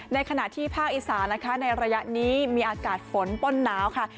ในขณะที่ภาคอีสานนะคะในระยะนี้มีอากาศฝนป้นหนาวค่ะ